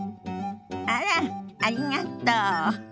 あらっありがとう。